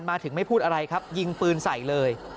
มาถึงไม่พูดอะไรครับยิงปืนใส่เลย